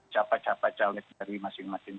siapa siapa caleg dari masing masing